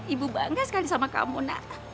ibu bangga sekali sama kamu nak